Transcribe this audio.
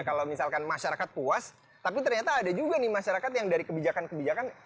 kalau misalkan masyarakat puas tapi ternyata ada juga nih masyarakat yang dari kebijakan kebijakan